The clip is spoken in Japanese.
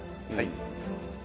はい。